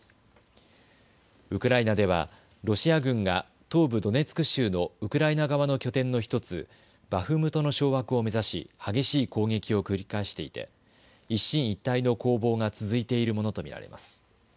ウクライナではロシア軍が東部ドネツク州のウクライナ側の拠点の１つ、バフムトの掌握を目指し激しい攻撃を繰り返していて一進一退の攻防が続いているものと見られます。